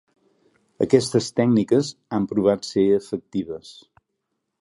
Aquestes tècniques han provat ser efectives.